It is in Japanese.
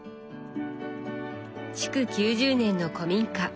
築９０年の古民家。